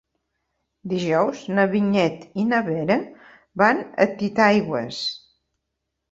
Dijous na Vinyet i na Vera van a Titaigües.